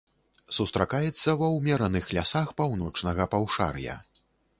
Сустракаецца ва ўмераных лясах паўночнага паўшар'я.